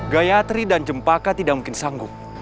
gayatri dan cempaka tidak mungkin sanggup